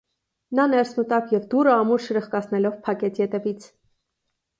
Նա ներս մտավ և դուռը ամուր շրխկացնելով փակեց ետևից: